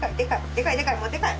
でかいでかいもうでかい。